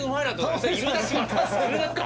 いるだけか。